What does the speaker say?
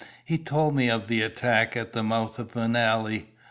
He told me of the attack at the mouth of an alley.